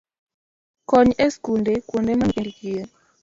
Kony e skunde, kuonde ma nyithind kiye